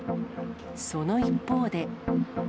その一方で。